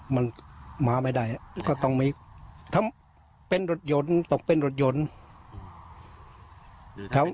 มันมาไม่ได้ก็ต้องมีทำเป็นรถยนต์ต้องเป็นรถยนต์